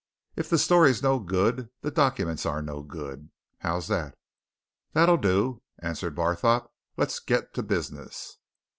If the story's no good, the documents are no good. How's that?" "That'll do!" answered Barthorpe. "Let's get to business."